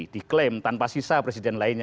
diklaim tanpa sisa presiden lainnya